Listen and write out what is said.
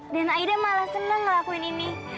dan aida malah seneng ngelakuin ini